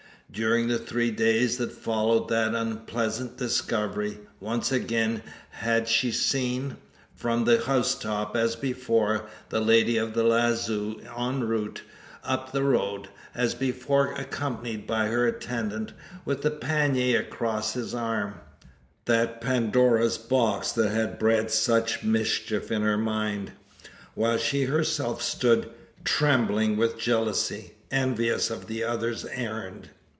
During the three days that followed that unpleasant discovery, once again had she seen from the housetop as before the lady of the lazo en route up the road, as before accompanied by her attendant with the pannier across his arm that Pandora's box that had bred such mischief in her mind while she herself stood trembling with jealousy envious of the other's errand.